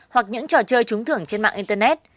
hoặc những trò chơi trúng thưởng trên mạng internet